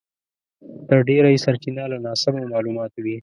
تر ډېره یې سرچينه له ناسمو مالوماتو وي.